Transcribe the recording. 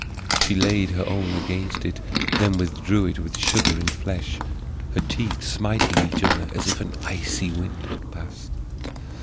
She laid her own against it, then withdrew it with shuddering flesh, her teeth smiting each other as if an icy wind had passed.